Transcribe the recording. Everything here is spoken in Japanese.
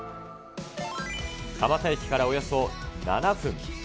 蒲田駅からおよそ７分。